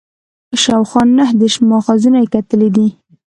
شاوخوا نهه دېرش ماخذونه یې کتلي دي.